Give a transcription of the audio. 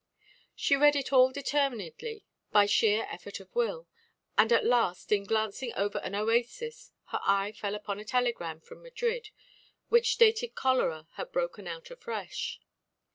She read it all determinedly, by sheer effort of will, and at last in glancing over an oasis her eye fell upon a telegram from Madrid which stated cholera had broken out afresh.